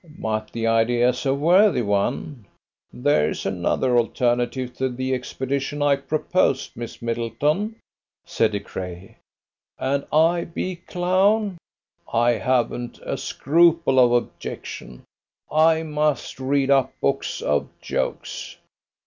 "But the idea's a worthy one! There's another alternative to the expedition I proposed, Miss Middleton," said De Craye. "And I be clown? I haven't a scruple of objection. I must read up books of jokes."